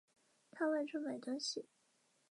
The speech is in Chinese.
他外出买东西